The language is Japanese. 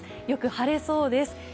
よく晴れそうです。